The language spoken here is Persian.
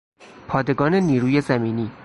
پادگان نیروی زمینی